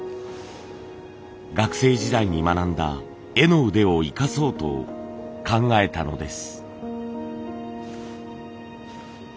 学生時代に学んだ絵の腕を生かそうと考えたのです。